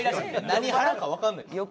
何ハラかわかんない。